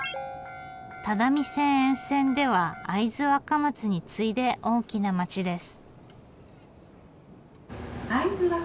只見線沿線では会津若松に次いで大きな町です。